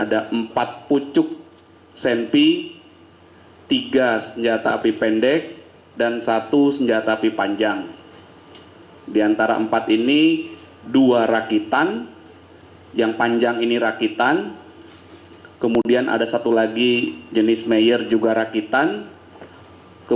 hanya untuk katakan bahwa irgendapun kita memanfaatkan tenagaannya dan kita tidak men sacred dirinya